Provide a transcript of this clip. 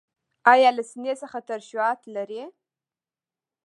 ایا له سینې څخه ترشحات لرئ؟